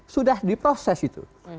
sudah diproses itu